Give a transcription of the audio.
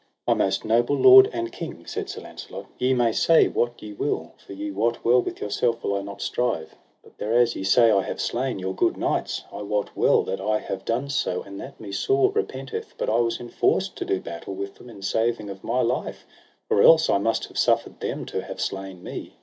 My most noble lord and king, said Sir Launcelot, ye may say what ye will, for ye wot well with yourself will I not strive; but thereas ye say I have slain your good knights, I wot well that I have done so, and that me sore repenteth; but I was enforced to do battle with them in saving of my life, or else I must have suffered them to have slain me.